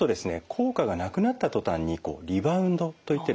効果がなくなった途端にリバウンドといってですね